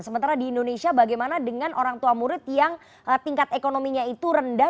sementara di indonesia bagaimana dengan orang tua murid yang tingkat ekonominya itu rendah